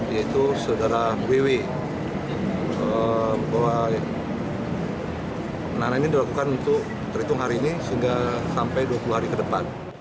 yaitu saudara ww bahwa penahanan ini dilakukan untuk terhitung hari ini sehingga sampai dua puluh hari ke depan